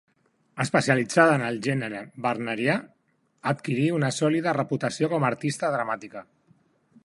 Especialitzada en el gènere Wagnerià, adquirí una sòlida reputació com artista dramàtica.